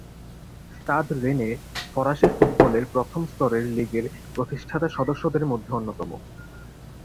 স্তাদ Rennes ফরাসি ফুটবলের প্রথম স্তরের লীগের প্রতিষ্ঠাতা সদস্যদের মধ্যে অন্যতম।